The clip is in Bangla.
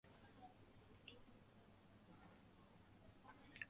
তিনি ছিলেন নতুন।